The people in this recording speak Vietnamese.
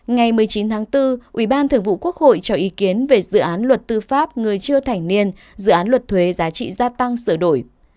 ngày một mươi chín tháng bốn ủy ban thường vụ quốc hội cho ý kiến về dự án luật tư pháp người chưa thành niên dự án luật thuế giá trị gia tăng sửa đổi